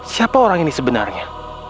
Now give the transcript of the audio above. siapa orang ini sebenarnya